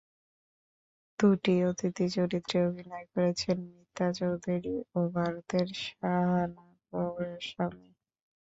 দুটি অতিথি চরিত্রে অভিনয় করেছেন মিতা চৌধুরী ও ভারতের শাহানা গোস্বামী।